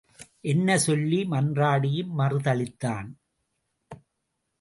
என்ன சொல்லி மன்றாடியும் மறுதளித்தான்.